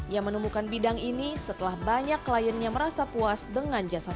ia menemukan bidang ini setelah banyak kliennya merasa puas dengan jasa marga